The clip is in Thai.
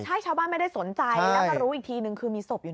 ใช่ชาวบ้านไม่ได้สนใจแล้วมารู้อีกทีนึงคือมีศพอยู่